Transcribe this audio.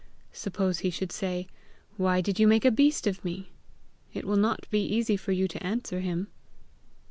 Suppose he should say, 'Why did you make a beast of me?'! It will not be easy for you to answer him!"